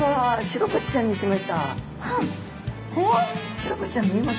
シログチちゃんに見えます？